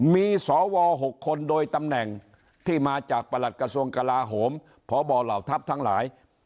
มีสว๖คนโดยตำแหน่งที่มาจากประหลัดกระทรวงกลาโหมพบเหล่าทัพทั้งหลาย